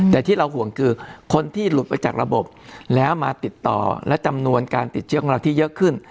แต่ที่เราห่วงคือคนที่หลุดไปจากระบบแล้วมาติดต่อและจำนวนการติดเชื้อของเราที่เยอะขึ้น